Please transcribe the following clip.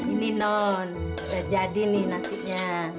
ini non udah jadi nih nasinya